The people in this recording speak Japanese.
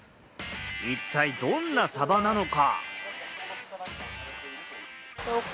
一体どんなサバなのか？